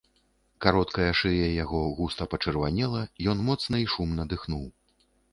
Кароткая шыя яго густа пачырванела, ён моцна і шумна дыхнуў.